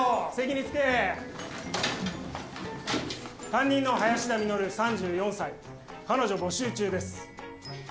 担任の林田実３４歳彼女募集中です。